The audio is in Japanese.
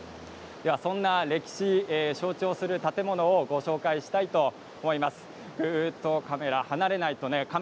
そんな歴史を象徴する建物をご紹介したいと思います。